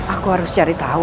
aku harus cari tahu